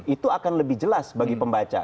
itu akan lebih jelas bagi pembaca